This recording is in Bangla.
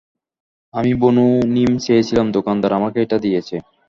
আমি বুনো নিম চেয়েছিলাম দোকানদার আমাকে এটা দিয়েছে!